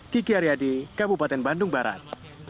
kiki aryadi kabupaten bandung barat